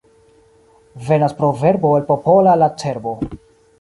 Venas proverbo el popola la cerbo.